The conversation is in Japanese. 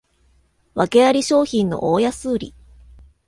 わけあり商品の大安売り